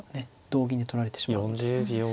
同銀で取られてしまうんで。